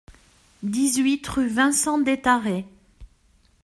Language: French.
dix-huit rue Vincent Détharé